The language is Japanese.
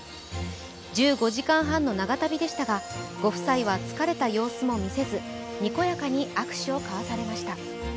１５時間半の長旅でしたが、ご夫妻は疲れた様子も見せずにこやかに握手を交わされました。